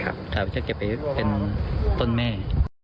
อังกฤษจากกิจเก็บไปเป็นต้นแม่